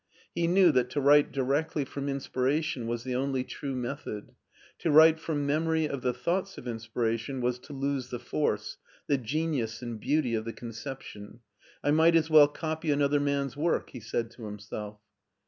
He knew that to write directly from inspiration was the only true method. To write from memory of the thoughts of inspiration was to lose the force, the genius and beauty of the conception. "I might as well copy another man's work," he said to himself.